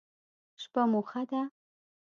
شپه مو ښه ده